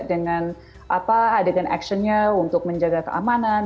dengan adegan actionnya untuk menjaga keamanan